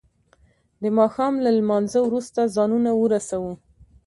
د ما ښام له لما نځه وروسته ځانونه ورسو.